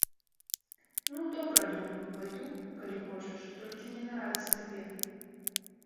Ну, добра, думаю, пайду, калі хочаш, толькі не на радасць табе.